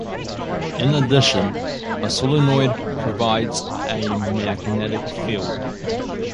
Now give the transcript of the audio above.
In addition, a solenoid provides a magnetic field.